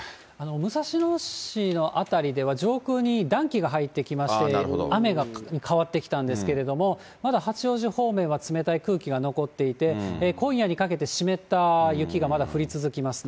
武蔵野市の辺りでは、上空に暖気が入ってきまして、雨に変わってきたんですけれども、まだ八王子方面は冷たい空気が残っていて、今夜にかけて湿った雪がまだ降り続きますね。